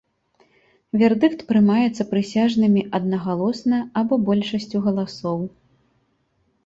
Вердыкт прымаецца прысяжнымі аднагалосна або большасцю галасоў.